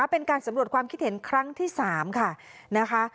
เป็นการสำรวจความคิดเห็นครั้งที่๓ค่ะนะคะ